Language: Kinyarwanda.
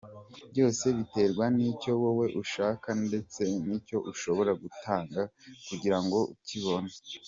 Byose biterwa nicyo wowe ushaka ndetse n'icyo ushobora gutanga kugirango ukibone.